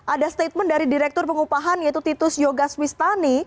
ada statement dari direktur pengupahan yaitu titus yogaswistani